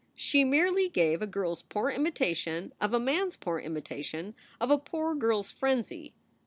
She merely gave a girl s poor imitation of a man s poor imitation of a poor girl s frenzy.